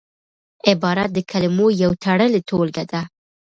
عبارت د کلمو یو تړلې ټولګه ده.